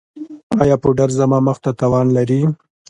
ایا پوډر زما مخ ته تاوان لري؟